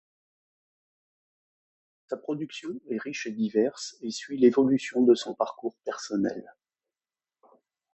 Sa production est riche et diverse et suit l’évolution de son parcours personnel.